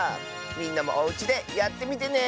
みんなもおうちでやってみてね。